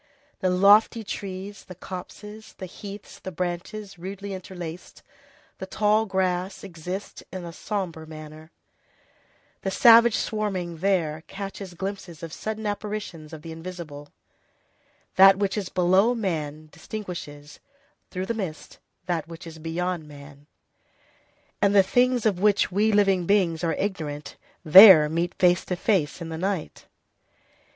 The lofty trees, the copses, the heaths, the branches rudely interlaced, the tall grass, exist in a sombre manner; the savage swarming there catches glimpses of sudden apparitions of the invisible; that which is below man distinguishes, through the mists, that which is beyond man; and the things of which we living beings are ignorant there meet face to face in the night.